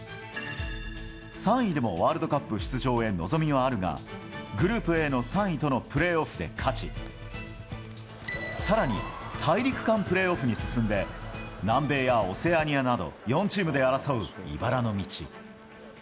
３位でもワールドカップ出場へ望みはあるがグループＡの３位とのプレーオフで勝ち更に、大陸間プレーオフに進んで南米やオセアニアなど４チームで争う、いばらの道。